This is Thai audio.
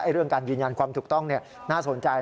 เรื่องการยืนยันความถูกต้องน่าสนใจ